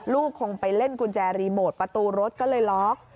ลูกคงไปเล่นกุญแจรีโมทประตูรถก็เลยล็อก